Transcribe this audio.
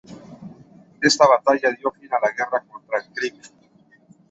Esta batalla dio fin a la Guerra contra los creek.